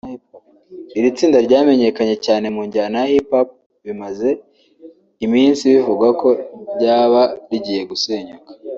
Iri tsinda ryamenyekanye cyane mu njyana ya Hip Hop bimaze iminsi bivugwa ko ryaba rigiye gusenyuka